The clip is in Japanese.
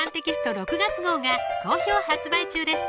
６月号が好評発売中です